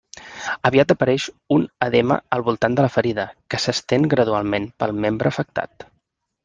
Aviat apareix un edema al voltant de la ferida, que s'estén gradualment pel membre afectat.